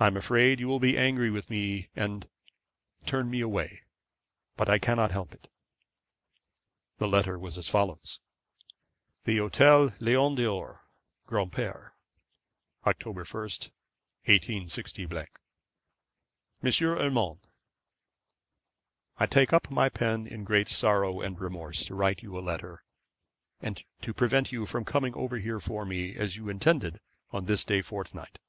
I am afraid you will be angry with me, and turn me away; but I cannot help it.' The letter was as follows: 'The Hotel Lion d'Or, Granpere, October 1, 186 . 'M. URMAND, 'I take up my pen in great sorrow and remorse to write you a letter, and to prevent you from coming over here for me, as you intended, on this day fortnight.